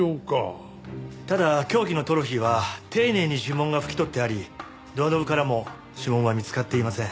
ただ凶器のトロフィーは丁寧に指紋が拭き取ってありドアノブからも指紋は見つかっていません。